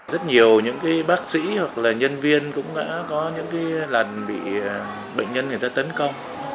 rất nhiều những bác sĩ hoặc nhân viên cũng đã có những lần bị bệnh nhân tấn công